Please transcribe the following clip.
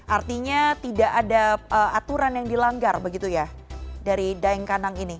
artinya tidak ada aturan yang dilanggar begitu ya dari daeng kanang ini